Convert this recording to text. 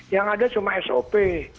yang ada cuma sop